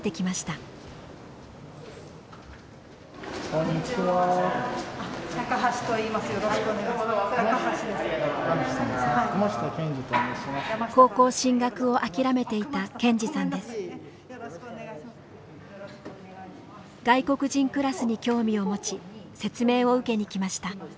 外国人クラスに興味を持ち説明を受けに来ました。